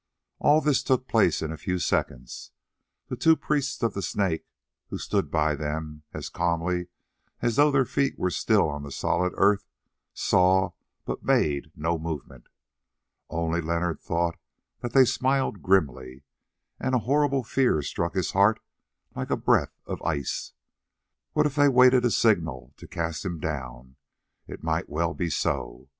All this took place in a few seconds. The two priests of the Snake, who stood by them as calmly as though their feet were still on the solid earth, saw, but made no movement. Only Leonard thought that they smiled grimly, and a horrible fear struck his heart like a breath of ice. What if they waited a signal to cast him down? It might well be so.